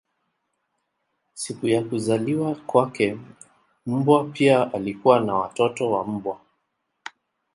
Siku ya kuzaliwa kwake mbwa pia alikuwa na watoto wa mbwa.